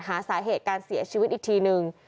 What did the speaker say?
หาสาเหตุการเสียชีวิตอีกทีนึง